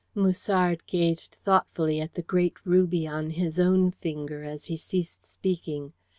Musard gazed thoughtfully at the great ruby on his own finger as he ceased speaking.